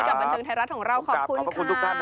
บันเทิงไทยรัฐของเราขอบคุณค่ะ